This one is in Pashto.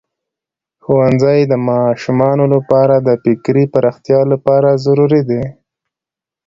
ښوونځی د ماشومانو لپاره د فکري پراختیا لپاره ضروری دی.